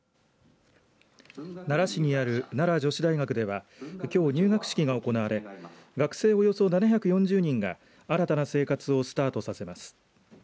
奈良市にある奈良女子大学ではきょう入学式が行われ学生およそ７４０人が新たな生活をスタートさせます。